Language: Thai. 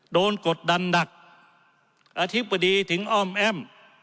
กดดันหนักอธิบดีถึงอ้อมแอ้ม